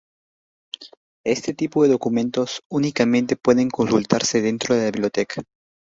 Este tipo de documentos únicamente pueden consultarse dentro de la biblioteca.